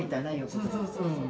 そうそうそうそう。